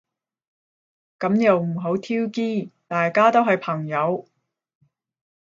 噉又唔好挑機。大家都係朋友